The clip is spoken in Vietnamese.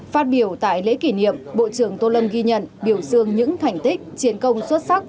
phát biểu tại lễ kỷ niệm bộ trưởng tô lâm ghi nhận biểu dương những thành tích chiến công xuất sắc